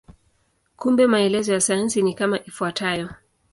Kumbe maelezo ya sayansi ni kama ifuatavyo.